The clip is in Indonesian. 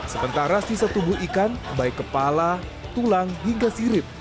sementara sisa tubuh ikan baik kepala tulang hingga sirip